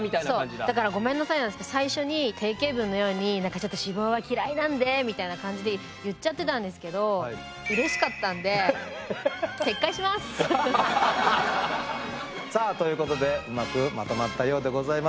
だからごめんなさいなんですけど最初に定型文のように何かちょっと「脂肪は嫌いなんで」みたいな感じで言っちゃってたんですけどさあということでうまくまとまったようでございます。